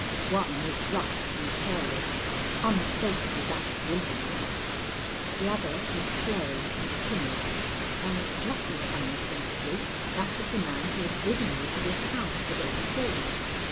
One was rough and careless, unmistakably that of William Knollys. The other was slow and timid, and was just as unmistakably that of the man who had driven me to this house the day before.